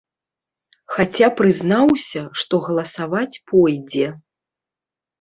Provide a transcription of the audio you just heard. Хаця прызнаўся, што галасаваць пойдзе.